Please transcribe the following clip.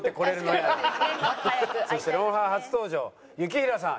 そして『ロンハー』初登場雪平さん。